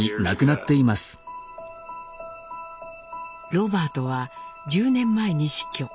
ロバートは１０年前に死去。